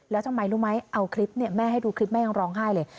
แล้วทำไมรู้ไหมเอาคลิปเนี่ยแม่ให้ดูคลิปแม่ยังร้องไห้เลย